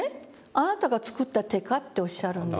「あなたが作った手か？」っておっしゃるんです。